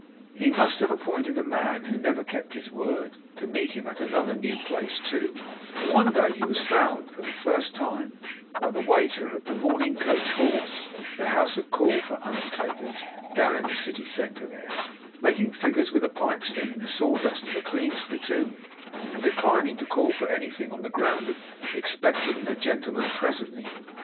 He must have appointed the man who never kept his word, to meet him at another new place too; for one day he was found, for the first time, by the waiter at the Mourning Coach Horse, the House of call for Undertakers, down in the City there, making figures with a pipe stem in the sawdust of a clean spittoon; and declining to call for anything, on the ground of expecting a gentleman presently.